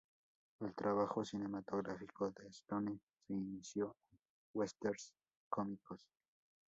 El trabajo cinematográfico de Stone se inició con westerns cómicos.